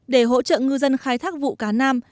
để hỗ trợ ngư dân khai thác vụ cá nam